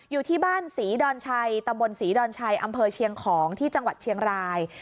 อยู่ที่บ้านศรีดอนชัยตำบลศรีดอนชัยอำเภอเชียงของที่จังหวัดเชียงราย